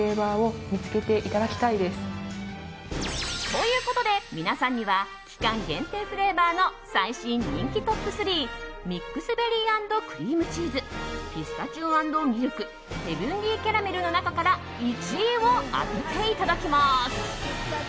ということで、皆さんには期間限定フレーバーの最新トップ人気トップ３ミックスベリー＆クリームチーズピスタチオ＆ミルクヘブンリーキャラメルの中から１位を当てていただきます。